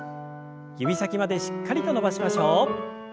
指先までしっかりと伸ばしましょう。